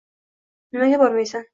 Nimaga bormaysan